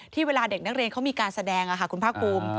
ที่เวลาเด็กนักเรียนเขามีการแสดงคุณพระคุม